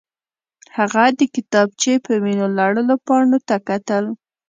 هغه د کتابچې په وینو لړلو پاڼو ته کتل